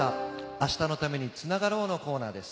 「明日のためにつながろう」のコーナーです。